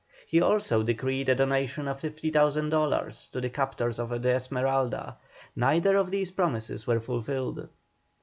He also decreed a donation of 50,000 dollars to the captors of the Esmeralda. Neither of these promises were fulfilled.